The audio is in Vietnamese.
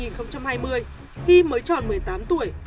năm hai nghìn hai mươi khi mới tròn một mươi tám tuổi